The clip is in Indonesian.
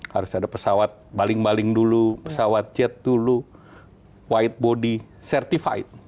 harus ada pesawat baling baling dulu pesawat jet dulu white body certified